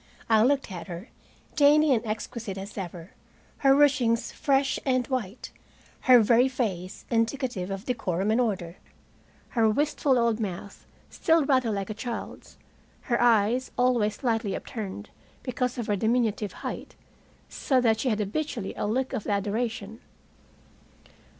I looked at her, dainty and exquisite as ever, her ruchings fresh and white, her very face indicative of decorum and order, her wistful old mouth still rather like a child's, her eyes, always slightly upturned because of her diminutive height, so that she had habitually a look of adoration.